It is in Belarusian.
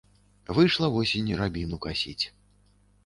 Выйшла восень рабіну касіць.